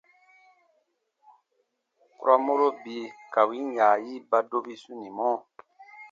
Kurɔ mɔro bii ka win yaayi ba dobi sunimɔ.